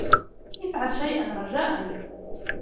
إفعل شيئاً, رجاءً.